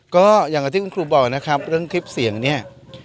ก็อย่างที่คุณครูบอกนะครับเรื่องคลิปเสียงเนี่ย